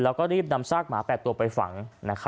แล้วก็รีบนำซากหมา๘ตัวไปฝัง